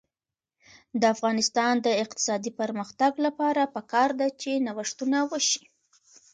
د افغانستان د اقتصادي پرمختګ لپاره پکار ده چې نوښتونه وشي.